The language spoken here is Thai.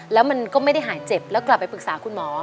แล้วมันก็ไม่ได้หายเจ็บแล้วกลับไปปรึกษาคุณหมอ